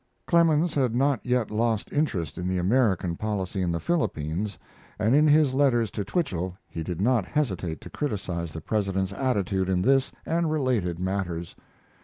Clemens had not yet lost interest in the American policy in the Philippines, and in his letters to Twichell he did not hesitate to criticize the President's attitude in this and related matters.